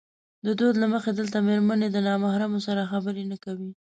د دود له مخې دلته مېرمنې د نامحرمو سره خبرې نه کوي.